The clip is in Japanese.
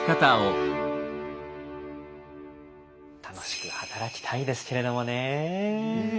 楽しく働きたいですけれどもね。